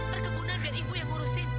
perkebunan biar ibu yang urusin